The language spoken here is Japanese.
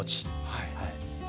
はい。